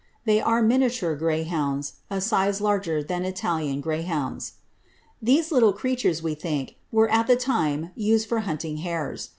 ;" they are miniature greyhounds, a size larger than Italian greyhounds. These little creatures, we think, were at that time used for hunting hares.